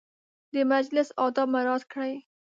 د مجلس اداب مراعت کړئ